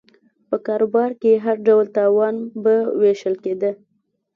په کاروبار کې هر ډول تاوان به وېشل کېده